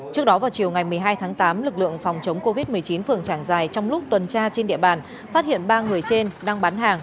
trước đó vào chiều ngày một mươi hai tháng tám lực lượng phòng chống covid một mươi chín phường trảng dài trong lúc tuần tra trên địa bàn phát hiện ba người trên đang bán hàng